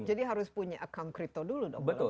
jadi harus punya account kripto dulu dong